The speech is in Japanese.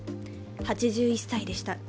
８１歳でした。